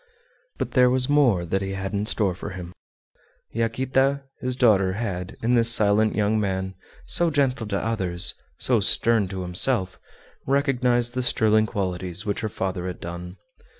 But there was more that he had in store for him. Yaquita, his daughter, had, in this silent young man, so gentle to others, so stern to himself, recognized the sterling qualities which her father had done.